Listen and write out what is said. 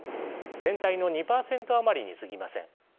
全体の２％余りにすぎません。